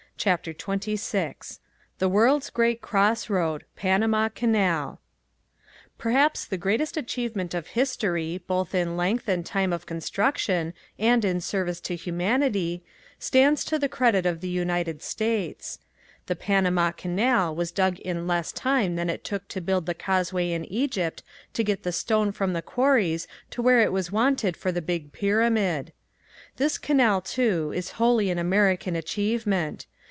CHAPTER XXVI THE WORLD'S GREAT CROSSROAD PANAMA CANAL Perhaps the greatest achievement of history, both in length of time of construction and in service to humanity, stands to the credit of the United States. The Panama Canal was dug in less time than it took to build the causeway in Egypt to get the stone from the quarries to where it was wanted for the big pyramid. This canal, too, is wholly an American achievement.